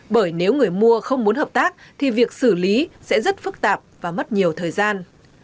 bởi nếu người mua không muốn hợp tác thì việc xử lý sẽ rất phức tạp và mất nhiều thời gian